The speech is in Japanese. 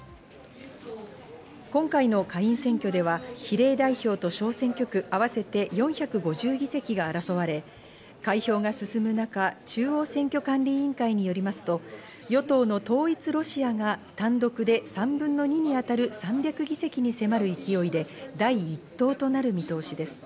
今回の下院選挙では比例代表と総選挙区合わせて４５０議席が争われ、開票が進む中、中央選挙管理委員会によりますと、与党の統一ロシアが単独で３分の２に当たる３００議席に迫る勢いで第一党となる見通しです。